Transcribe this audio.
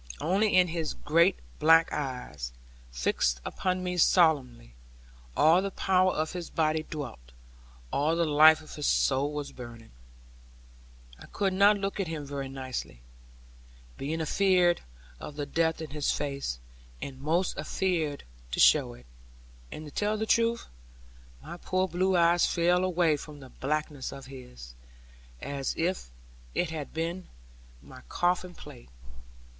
Only in his great black eyes, fixed upon me solemnly, all the power of his body dwelt, all the life of his soul was burning. I could not look at him very nicely, being afeared of the death in his face, and most afeared to show it. And to tell the truth, my poor blue eyes fell away from the blackness of his, as if it had been my coffin plate.